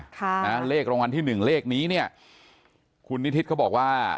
ค่ะนะเลขรางวัลที่หนึ่งเลขนี้เนี่ยคุณนิทิศเขาบอกว่า